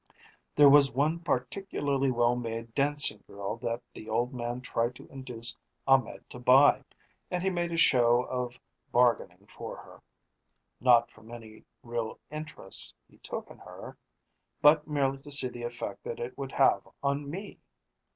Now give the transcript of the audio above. There was one particularly well made dancing girl that the old man tried to induce Ahmed to buy, and he made a show of bargaining for her not from any real interest he took in her, but merely to see the effect that it would have on me.